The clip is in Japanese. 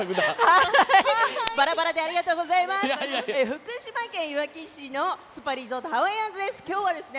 福島県いわき市のスパリゾートハワイアンズです。